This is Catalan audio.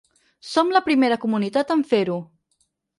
Som la primera comunitat en fer-ho.